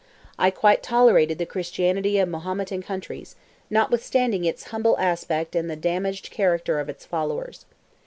I quite tolerated the Christianity of Mahometan countries, notwithstanding its humble aspect and the damaged character of its followers.